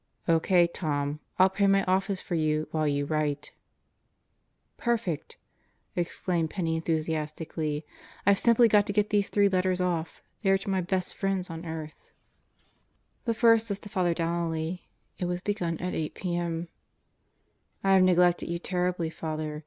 "O.K., Tom. I'll pray my Office for you while you write." "Perfect 1" exclaimed Penney enthusiastically. "IVe simply got to get these three letters off. They are to my best friends on earth." 198 God Goes to Murderers Row The first was to Father Donnelly. It was begun at 8 p.m. I have neglected you terribly, Fr.